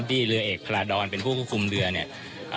ที่เรือเอกพลาดรเป็นผู้ควบคุมเรือเนี่ย